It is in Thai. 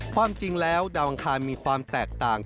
ความจริงแล้วดาวอังคารมีความแตกต่าง